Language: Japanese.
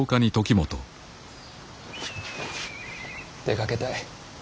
出かけたい。